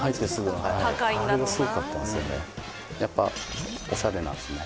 やっぱおしゃれなんですね。